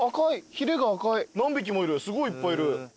ヒレが赤い何匹もいるすごいいっぱいいる。